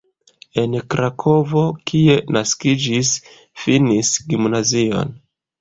En Krakovo, kie naskiĝis, finis gimnazion.